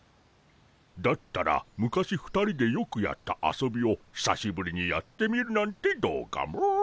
だったら昔２人でよくやった遊びをひさしぶりにやってみるなんてどうかモ？